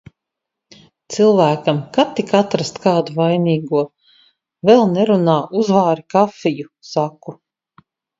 Cilvēkam, ka tik atrast kādu vainīgo. "Vēl nerunā, uzvāri kafiju," saku.